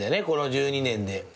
この１２年で。